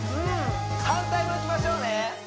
反対もいきましょうね